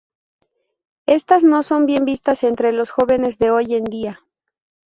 Estas no son bien vistas entre los jóvenes de hoy en día.